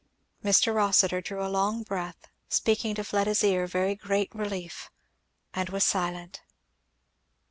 Mr. Rossitur drew a long breath, speaking to Fleda's ear very great relief, and was silent.